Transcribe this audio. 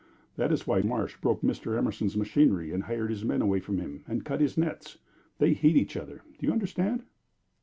That is why Marsh broke Mr. Emerson's machinery, and hired his men away from him, and cut his nets. They hate each other do you understand?"